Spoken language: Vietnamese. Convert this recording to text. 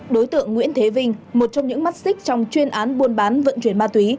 đối tượng nguyễn thế vinh một trong những mắt xích trong chuyên án buôn bán vận chuyển ma túy